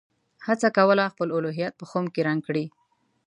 هڅه کوله خپل الهیات په خُم کې رنګ کړي.